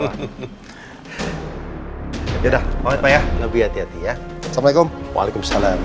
ya udah mau ya lebih hati hati ya assalamualaikum waalaikumsalam